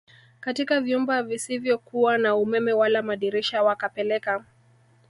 katika vyumba visivyokuwa na umeme wala madirisha wakawapeleka